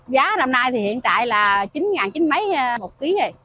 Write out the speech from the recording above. giá năm nay thì hiện tại là chín mấy một ký rồi